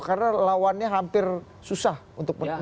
karena lawannya hampir susah untuk menaik